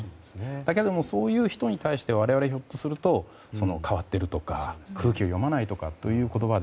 だけども、そういう人に対して我々ひょっとすると変わってるとか空気を読まないという言葉で。